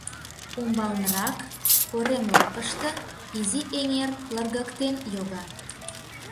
Умбалнырак, корем лакыште, изи эҥер лыргыктен йога.